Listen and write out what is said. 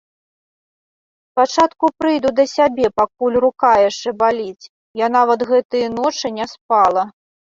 Спачатку прыйду да сябе, пакуль рука яшчэ баліць, я нават гэтыя ночы не спала.